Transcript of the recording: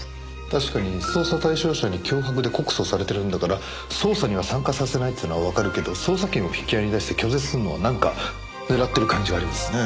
確かに捜査対象者に脅迫で告訴されてるんだから捜査には参加させないっていうのはわかるけど捜査権を引き合いに出して拒絶するのはなんか狙ってる感じがありますね。